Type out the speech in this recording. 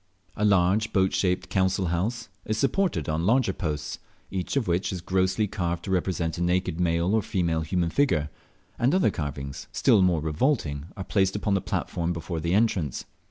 A large boat shaped council house is supported on larger posts, each of which is grossly carved to represent a naked male or female human figure, and other carvings still more revolting are placed upon the platform before the entrance.